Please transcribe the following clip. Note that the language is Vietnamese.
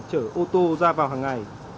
chở ô tô ra vào hàng ngày